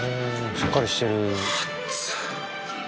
しっかりしてる。